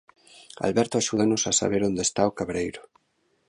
Alberto axúdanos a saber onde está o cabreiro.